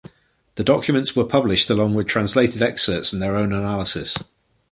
The documents were published along with translated excerpts and their own analysis.